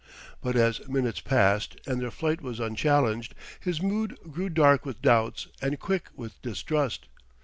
But as minutes passed and their flight was unchallenged, his mood grew dark with doubts and quick with distrust.